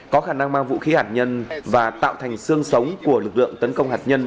có khả năng mang vũ khí hạt nhân và tạo thành xương sống của lực lượng tấn công hạt nhân